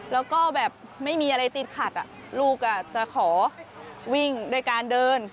แล้วก็แบบไม่มีอะไรติดขัดลูกจะขอวิ่งด้วยการเดิน